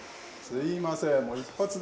すいません